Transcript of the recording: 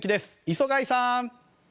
磯貝さん！